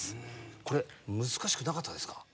これ難しくなかったですか？